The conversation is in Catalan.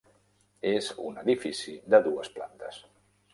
És un edifici de dues plantes.